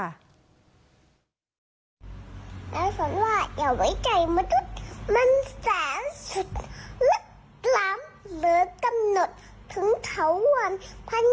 ในน้ำใจคนเสียงลืมเสียงเล่าอ่ะอันใดพี่เอ่ย